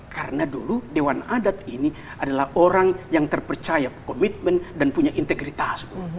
karena dulu dewan adat ini adalah orang yang terpercaya komitmen dan punya integritas